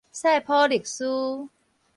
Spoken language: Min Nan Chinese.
賽普勒斯